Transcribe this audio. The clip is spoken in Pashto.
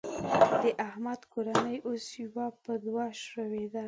د احمد کورنۍ اوس يوه په دوه شوېده.